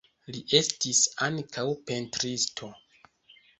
Li estis ankaŭ pentristo.